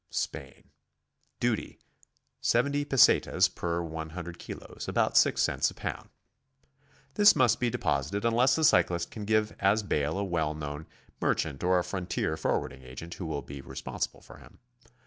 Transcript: SPAIN. Duty, 70 pesetas per 100 kilos, — about six cents a pound. This must be deposited unless the cyclist can give as bail a well known merchant or a frontier forwarding agent who will be responsible for him.